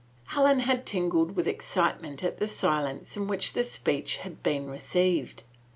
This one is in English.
Helen had tingled with excitement at the silence in which the speech had been received.